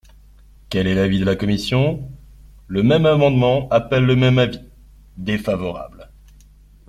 Quel est l’avis de la commission ? Le même amendement appelle le même avis : défavorable.